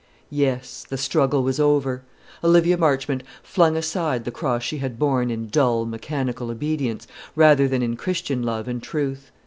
Yes; the struggle was over. Olivia Marchmont flung aside the cross she had borne in dull, mechanical obedience, rather than in Christian love and truth.